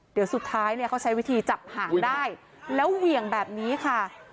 เดี๋ยวสุดท้ายเนี่ยเขาใช้วิธีจับหางได้แล้วเหวี่ยงแบบนี้ค่ะ